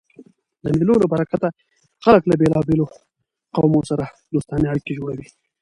د مېلو له برکته خلک له بېلابېلو قومو سره دوستانه اړيکي جوړوي.